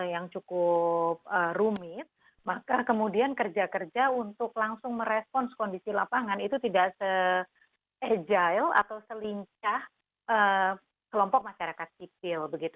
yang cukup rumit maka kemudian kerja kerja untuk langsung merespons kondisi lapangan itu tidak se agile atau selincah kelompok masyarakat sipil